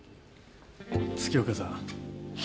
月岡さん。